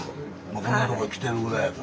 こんなとこへ来てるぐらいやから。